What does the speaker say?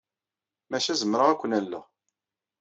Maca zemreɣ ad ken-alleɣ.